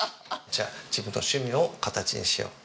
じゃあ自分の趣味を形にしよう。